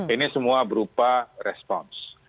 ini semua berupa respons